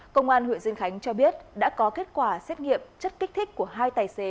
công an huyện dương khánh cho biết đã có kết quả xét nghiệm chất kích thích của hai tài xế